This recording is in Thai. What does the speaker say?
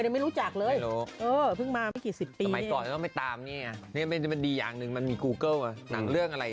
เมื่อวันที่๙นี้เลย